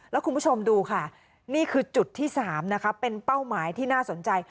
แล้วคุณผู้ชมดูค่ะนี่คือจุดที่๓นะคะเป็นเป้าหมายที่น่าสนใจ